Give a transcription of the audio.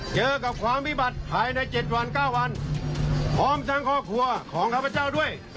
เจอกับความวิบัติภายใน๗วัน๙วันพร้อมทั้งครอบครัวของข้าพเจ้าด้วย